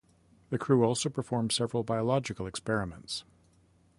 The crew also performed several biological experiments.